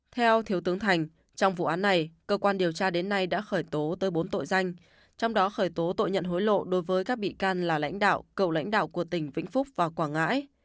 theo thiếu tướng thành trong vụ án này cơ quan điều tra đến nay đã khởi tố tới bốn tội danh trong đó khởi tố tội nhận hối lộ đối với các bị can là lãnh đạo cựu lãnh đạo của tỉnh vĩnh phúc và quảng ngãi